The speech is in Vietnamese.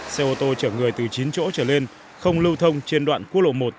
xe ô tô chở người từ chín chỗ trở lên không lưu thông trên đoạn quốc lộ một